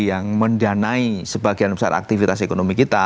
yang mendanai sebagian besar aktivitas ekonomi kita